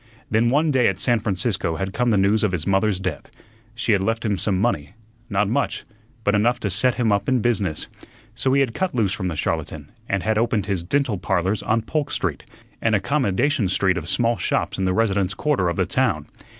Then one day at San Francisco had come the news of his mother's death; she had left him some money not much, but enough to set him up in business; so he had cut loose from the charlatan and had opened his "Dental Parlors" on Polk Street, an "accommodation street" of small shops in the residence quarter of the town.